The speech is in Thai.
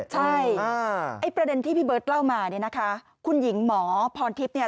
ใช่ประเด็นที่พี่เบิร์ตเล่ามาคุณหญิงหมอพรทิพย์